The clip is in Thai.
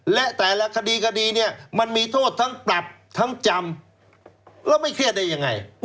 และแต่ละคดีคดีเนี่ยมันมีโทษทั้งปรับทั้งจำแล้วไม่เครียดได้ยังไง